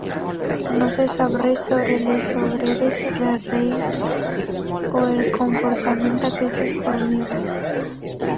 No se sap res sobre les obreres, les reines o el comportament d'aquestes formigues.